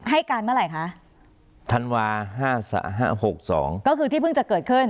ให้กันเมื่อไหร่คะธันวา๕๖๒ก็คือที่เพิ่งจะเกิดขึ้น